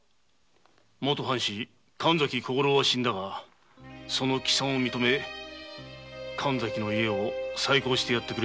元藩士・神崎小五郎は死んだがその帰参を認め神崎の家を再興してやってくれ。